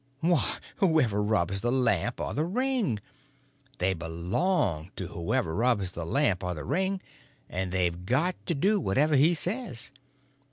"Why, whoever rubs the lamp or the ring. They belong to whoever rubs the lamp or the ring, and they've got to do whatever he says.